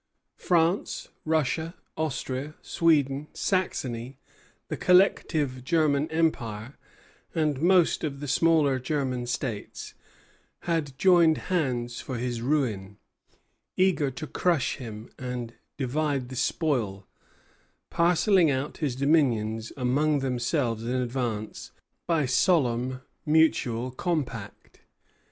France, Russia, Austria, Sweden, Saxony, the collective Germanic Empire, and most of the smaller German States had joined hands for his ruin, eager to crush him and divide the spoil, parcelling out his dominions among themselves in advance by solemn mutual compact.